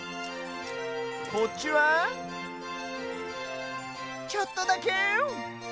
こっちはちょっとだけ！